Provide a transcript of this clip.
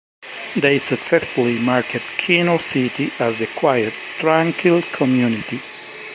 They successfully marketed Keno City as the quiet, tranquil community.